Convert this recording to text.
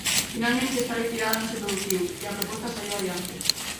Finalmente esta retirada non se produciu e a proposta saíu adiante.